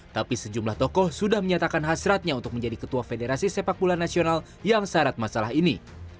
tapi sejumlah tokoh sudah menyatakan hasratnya untuk menjadi ketua federasi sepak bola nasional yang syarat masalah ini